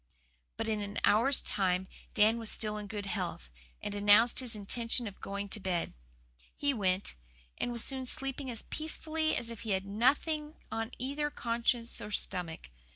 But in an hour's time Dan was still in good health, and announced his intention of going to bed. He went, and was soon sleeping as peacefully as if he had nothing on either conscience or stomach.